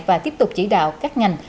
và tiếp tục chỉ đạo các ngành